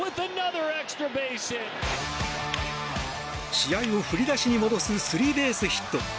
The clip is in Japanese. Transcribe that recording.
試合を振り出しに戻すスリーベースヒット。